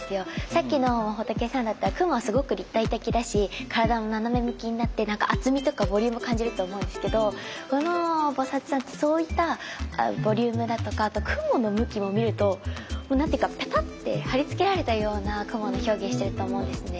さっきの仏さんだったら雲はすごく立体的だし体も斜め向きになって厚みとかボリュームを感じると思うんですけどこの菩さんってそういったボリュームだとかあと雲の向きも見ると何て言うかペタってはりつけられたような雲の表現をしてると思うんですね。